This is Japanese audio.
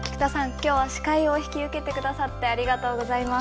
今日は司会を引き受けて下さってありがとうございます。